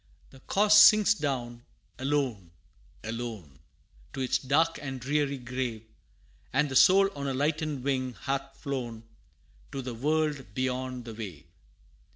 The corse sinks down, alone alone, To its dark and dreary grave, And the soul on a lightened wing hath flown, To the world beyond the wave.